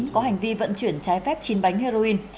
có hành vi vận chuyển trái phép chín bánh heroin